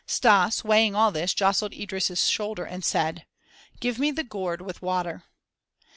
Stas, weighing all this, jostled Idris' shoulder and said: "Give me the gourd with water."